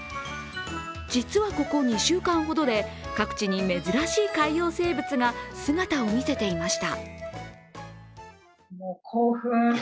実はここ２週間ほどで、各地に珍しい海洋生物が姿を見せていました。